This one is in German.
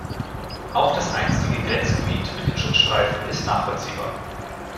Auch das einstige Grenzgebiet mit dem Schutzstreifen ist nachvollziehbar.